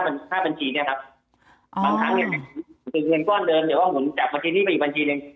บางครั้งเป็นเงินก้อนเดิมหรือว่าจากบัญชีนี้เป็นกิจบัญชีหนึ่ง